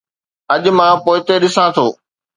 اڄ مان پوئتي ڏسان ٿو.